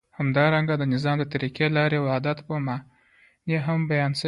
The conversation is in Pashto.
همدارنګه د نظام د طریقی، لاری او عادت په معنی هم بیان سوی دی.